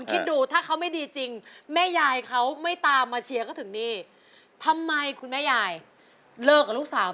สุดเววาใจหายเมื่อกลายสว่าง